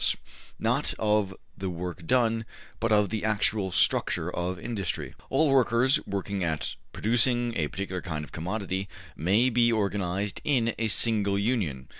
But ``organization may follow the lines, not of the work done, but of the actual structure of industry. All workers working at producing a particular kind of commodity may be organized in a single Union.